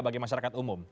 bagi masyarakat umum